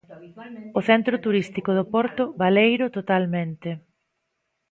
O centro turístico do Porto baleiro totalmente.